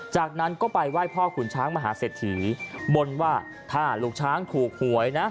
จากนั้นก็ไปไหว้พ่อขุนช้างมหาเศรษฐีบนว่าถ้าลูกช้างถูกหวยนะ